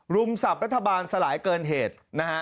รุมศัพท์รัฐบาลสลายเกินเหตุ